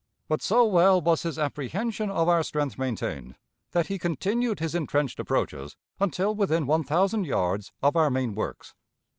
But so well was his apprehension of our strength maintained, that he continued his intrenched approaches until within one thousand yards of our main works.